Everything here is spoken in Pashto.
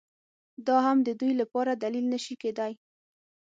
دا هم د دوی لپاره دلیل نه شي کېدای